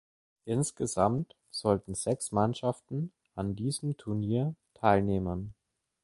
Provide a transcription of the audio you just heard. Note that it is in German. Insgesamt sollten sechs Mannschaften an diesem Turnier teilnehmen.